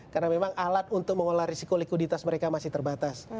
karena memang alat untuk mengolah risiko likuditas mereka masih terbatas